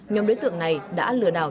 nhóm đối tượng này đã lừa đảo